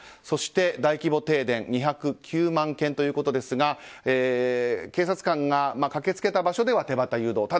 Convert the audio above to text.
そして、大規模停電２０９万軒ということですが警察官が駆け付けた場所では手旗誘導。